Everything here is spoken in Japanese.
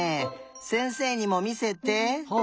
せんせいにもみせて。